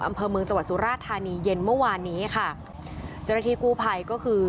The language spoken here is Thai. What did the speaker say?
อำเภอเมืองจังหวัดสุราชธานีเย็นเมื่อวานนี้ค่ะเจ้าหน้าที่กู้ภัยก็คือ